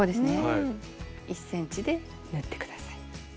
１ｃｍで縫って下さい。